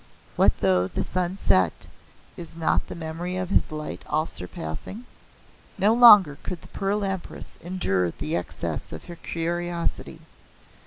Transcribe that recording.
What though the sun set is not the memory of his light all surpassing?" No longer could the Pearl Empress endure the excess of her curiosity.